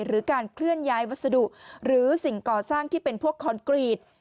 หรือการเคลื่อนย้ายวัสดุหรือสิ่งก่อสร้างที่เป็นพวกคอนกรีต